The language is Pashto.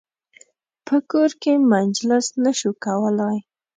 په کور کې مجلس نه شو کولای.